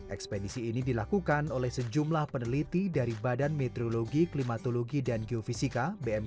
ekspedisi ini dilakukan oleh sejumlah peneliti dari badan metrologi klimatologi dan geovisika